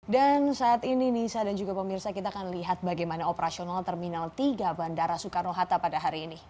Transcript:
dan saat ini nisa dan juga pemirsa kita akan lihat bagaimana operasional terminal tiga bandara soekarno hatta pada hari ini